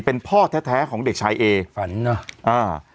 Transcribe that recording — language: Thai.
เป็นพ่อแท้แท้ของเด็กชายเอฝันเนอะอ่า